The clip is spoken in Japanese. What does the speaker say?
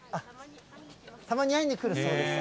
たまに会いにくるそうです。